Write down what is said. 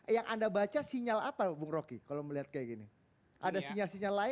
yang anda baca sinyal apa bung roky kalau melihat kayak gini ada sinyal sinyal lain